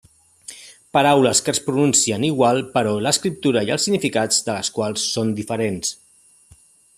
Paraules que es pronuncien igual però l'escriptura i els significats de les quals són diferents.